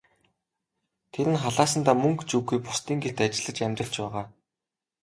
Тэр нь халаасандаа мөнгө ч үгүй, бусдын гэрт ажиллаж амьдарч байгаа.